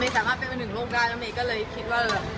เมย์สามารถเป็นเป็นหนึ่งโรงการแล้วเมย์ก็เลยคิดว่า